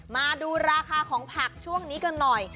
มาดูราคาของผักช่วงนี้กันหน่อย